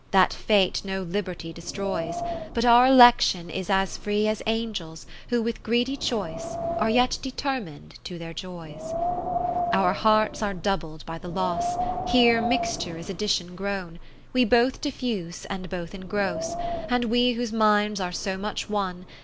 That Fate no liberty destroys, But our Election is as free As Angels', who with greedy choice Are yet determin'd to their joys. 10 III Our hearts are doubled by the loss. Here mixture is addition grown ; We both diffuse, and both ingross : And we whose minds are so much one.